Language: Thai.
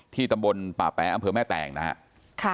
ตำบลป่าแป๋อำเภอแม่แตงนะครับ